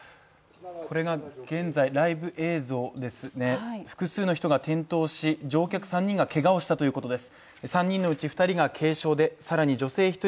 これが現在ライブ映像ですね、複数の人が転倒し、乗客３人がけがをしたということです